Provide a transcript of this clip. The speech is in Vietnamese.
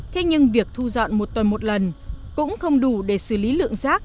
thế nhưng việc thu dọn một tuần một lần cũng không đủ để xử lý lượng rác